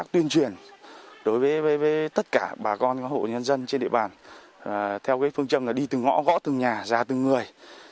tuyên truyền đối với tất cả bà con các hộ nhân dân trên địa bàn theo phương châm đi từng ngõ gõ từng nhà ra từng người